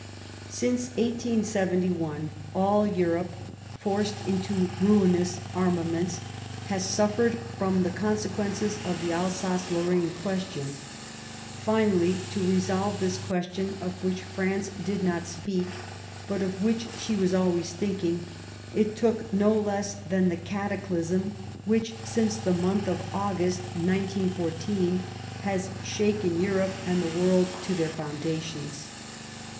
Since 1871 all Europe, forced into ruinous arma ments, has suffered from the consequences of the Alsace Lorraine question ; finally, to resolve this question of which France did not speak, but of which she was always thinking, it took no less than the cataclysm which, since the month of August 1 914, has shaken Europe and the world to their foundations.